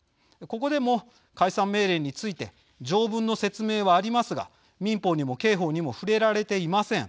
ここでも解散命令について条文の説明はありますが民法にも刑法にも触れられていません。